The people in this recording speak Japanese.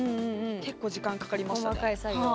結構時間がかかりましたね。